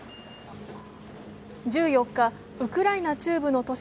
１４日、ウクライナ中部の都市